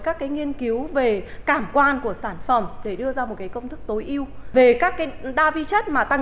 các cái nghiên cứu về cảm quan của sản phẩm để đưa ra một cái công thức tối ưu về các cái đa vi chất mà tăng